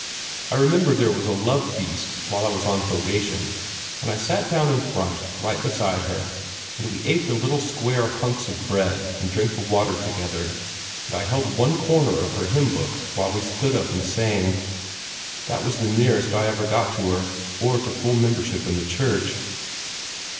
I remember there was a love feast while I was on probation; and I sat down in front, right beside her, and we ate the little square chunks of bread and drank the water together, and I held one corner of her hymn book when we stood up and sang. That was the nearest I ever got to her, or to full membership in the church.